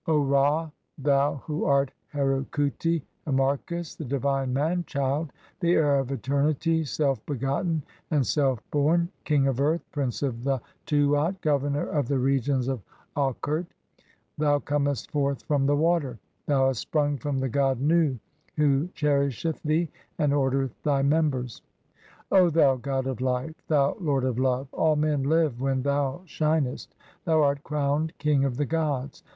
O Ra, thou "who art Heru khuti (Harmachis), the divine man child, the heir "of eternity, self begotten and self born, king of earth, prince of "the Tuat, 1 governor of the regions of Aukert; 2 thou comest "forth from the water, thou hast sprung from the god Nu, who "cherisheth thee and ordereth thy members. O thou god of life, "thou lord of love, all men live when thou shinest ; thou art "crowned king of the gods.